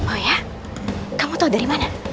oh ya kamu tahu dari mana